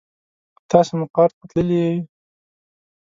تاسې مقر ته تللي يئ.